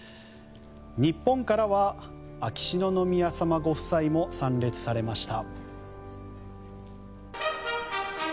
日本からは秋篠宮ご夫妻も参列されました。